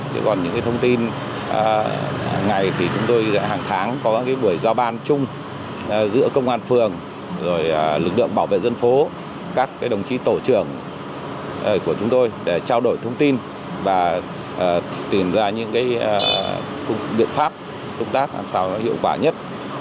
chứ còn những thông tin ngày thì chúng tôi hàng tháng có các buổi giao ban chung giữa công an phương lực lượng bảo vệ dân phố các đồng chí tổ trưởng của chúng tôi để trao đổi thông tin và tìm ra những biện pháp công tác làm sao hiệu quả nhất